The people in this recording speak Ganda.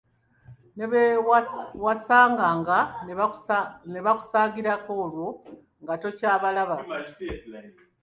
Ne be wasanganga ne bakusaagirako olwo nga tokyabalaba.